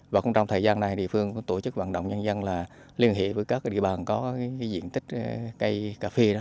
và cũng trong thời gian này địa phương cũng tổ chức vận động nhân dân là liên hệ với các địa bàn có diện tích cây cà phê đó